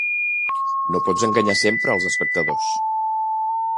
No pots enganyar sempre als espectadors.